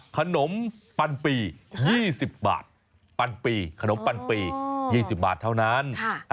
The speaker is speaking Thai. ขนมปันปี๒๐บาทปันปีขนมปันปี๒๐บาทเท่านั้น